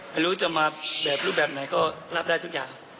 ไม่รู้จะมาแบบรูปแบบไหนก็รับได้ทุกอย่าง